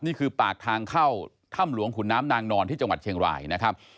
นี่คือปากทางเข้าถ้ำหลวงขุนน้ำนางนอนที่จังหวัดเชียงรายนะครับ